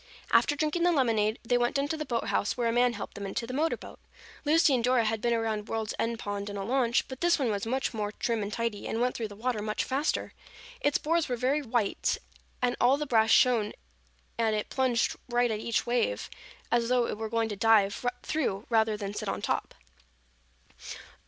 After drinking the lemonade they went down to the boat house where a man helped them into the motor boat. Lucy and Dora had been around World's End Pond in a launch, but this one was much more trim and tidy and went through the water much faster. Its boards were very white and all the brass shone and it plunged right at each wave as though it were going to dive through rather than sit on top.